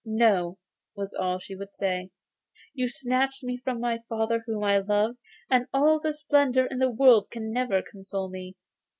'No,' was all she would say; 'you snatched me from my father whom I loved, and all the splendour in the world can never console me.